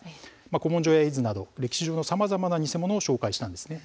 古文書や絵図など歴史上のさまざまな偽物を紹介しています。